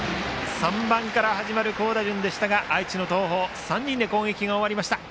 ３番から始まる好打順でしたが愛知の東邦、３人で攻撃が終わりました。